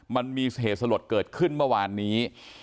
มันมีเหตุสลดเกิดขึ้นเมื่อวานนี้